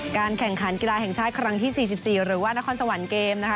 แข่งขันกีฬาแห่งชาติครั้งที่๔๔หรือว่านครสวรรค์เกมนะคะ